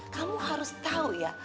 kamu harus tahu ya